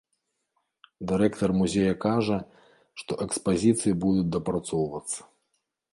Дырэктар музея кажа, што экспазіцыі будуць дапрацоўвацца.